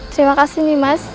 terima kasih nimas